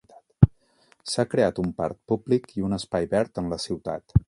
S'ha creat un parc públic i un espai verd en la ciutat.